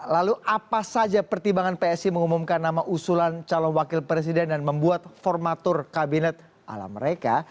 lalu apa saja pertimbangan psi mengumumkan nama usulan calon wakil presiden dan membuat formatur kabinet ala mereka